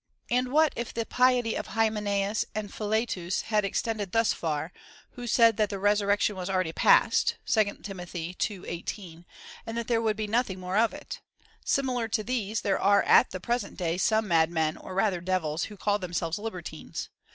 And what if the im piety of Hymeneus and Philetus had extended thus far/ who said that the resurrection was already past, (2 Tim. ii. 18,) and that there would he nothing more of it ? Similar to these, there are at the present day some madmen, or rather devils,^ who call themselves Libertines.